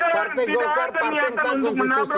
partai golkar partai yang taat konstitusi